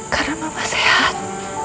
karena mama sehat